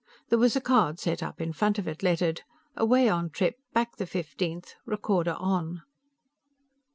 There was a card set up in front of it, lettered: AWAY ON TRIP, BACK THE FIFTEENTH. RECORDER ON.